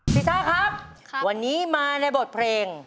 ช่าครับวันนี้มาในบทเพลง